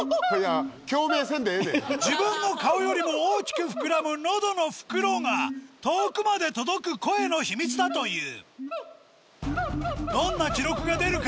自分の顔よりも大きく膨らむ喉の袋が遠くまで届く声の秘密だというどんな記録が出るか？